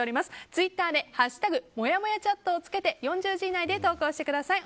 ツイッターで「＃もやもやチャット」をつけて４０字以内で投稿してください。